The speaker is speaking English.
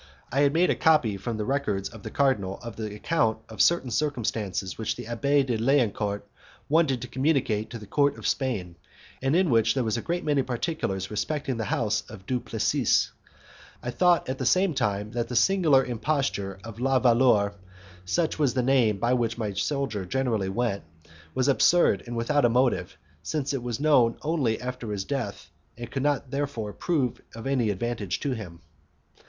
I had made a copy from the records of the cardinal of the account of certain circumstances which the Abbé de Liancourt wanted to communicate to the court of Spain, and in which there were a great many particulars respecting the house of Du Plessis. I thought at the same time that the singular imposture of La Valeur (such was the name by which my soldier generally went) was absurd and without a motive, since it was to be known only after his death, and could not therefore prove of any advantage to him.